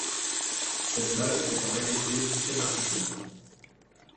Cette base est en réalité très particulière.